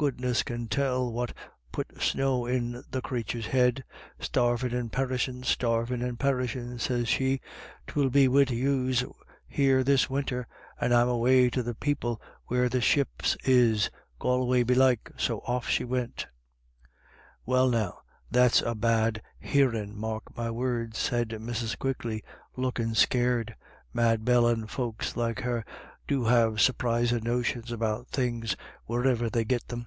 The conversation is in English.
Goodness can tell what put snow in the crathur*s head. * Starvin' and perishin', starvin' and perishin',' sez she, c 'twill be wid yous here this winter, and I'm away to the > 220 IRISH IDYLLS. people where the ships is '— Galway belike. So off she wint" " Well now, that's a bad hearin', mark my words," said Mrs. Quigley, looking scared ;" Mad Bell and folk like her do have surprisin' notions about things, wheriver they git them.